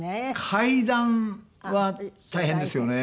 階段は大変ですよね。